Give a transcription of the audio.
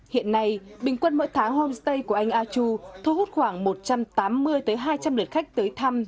hiện nay bình quân mỗi tháng homestay của anh a chu thu hút khoảng một trăm tám mươi hai trăm linh lượt khách tới thăm